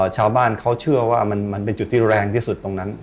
ชาวบ้านเขาเชื่อว่ามันเป็นจุดที่แรงที่สุดตรงนั้น